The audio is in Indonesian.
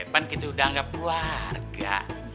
pan kita udah anggap warga